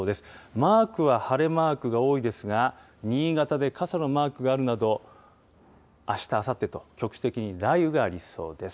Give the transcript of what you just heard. マークは晴れマークが多いですが、新潟で傘のマークがあるなど、あした、あさってと局地的に雷雨がありそうです。